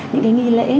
những cái nghi lễ